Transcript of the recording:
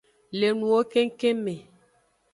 Le nuwo kengkeng me.